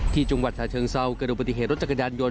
ที่จังหวัดชาเชิงเซาเกิดดูปฏิเหตุรถจักรยานยนต